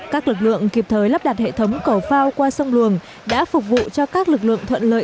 các lực lượng kịp thời lắp đặt hệ thống cầu phao qua sông luồng đã phục vụ cho các lực lượng thuận lợi